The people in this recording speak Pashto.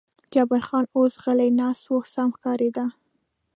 جبار خان اوس غلی ناست و، سم ښکارېده.